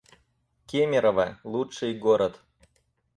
Кемерово — лучший город